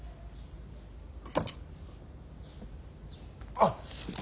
あっ。